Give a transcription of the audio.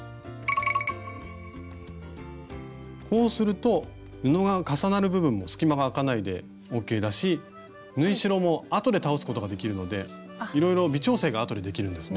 こうすると布が重なる部分も隙間が空かないでＯＫだし縫い代もあとで倒すことができるのでいろいろ微調整があとでできるんですね。